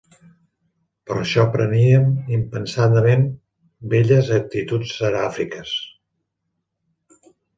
Per això preníem impensadament belles actituds seràfiques